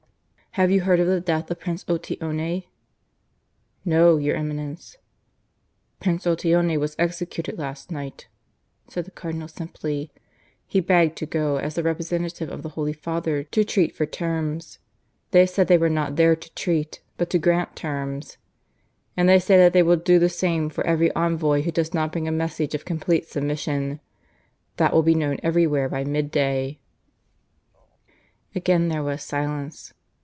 "Have you heard of the death of Prince Otteone?" "No, your Eminence." "Prince Otteone was executed last night," said the Cardinal simply. "He begged to go as the representative of the Holy Father to treat for terms. They said they were not there to treat, but to grant terms. And they say that they will do the same for every envoy who does not bring a message of complete submission. That will be known everywhere by midday." Again there was silence.